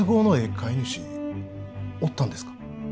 買い主おったんですか？